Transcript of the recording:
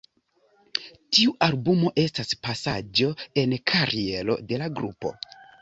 Tiu albumo estas pasaĵo en kariero de la grupo.